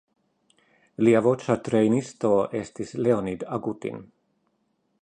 Lia voĉa trejnisto estis Leonid Agutin.